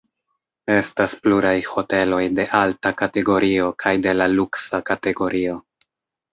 Estas pluraj hoteloj de alta kategorio kaj de la luksa kategorio.